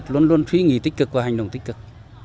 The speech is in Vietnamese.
người khuyết tật luôn luôn suy nghĩ tích cực và hành động tích cực